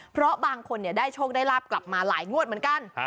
เพราะบางคนได้โชคได้ลาบกลับมาหลายงวดเหมือนกัน